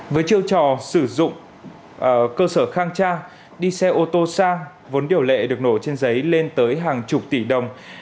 với chiêu trò sử dụng cơ sở khang trang đi xe ô tô sang vốn điều lệ được nổ trên giấy lên tới hàng chục tỷ đồng